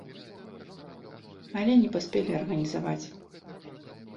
Але не паспелі арганізаваць.